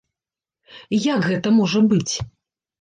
Як гэта можа быць?